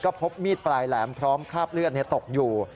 พบมีดปลายแหลมพร้อมคราบเลือดตกอยู่